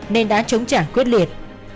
nên đã chống trả quyết liệt